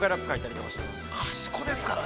◆かしこですからね。